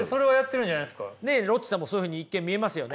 ロッチさんもそういうふうに一見見えますよね。